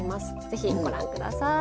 ぜひご覧ください。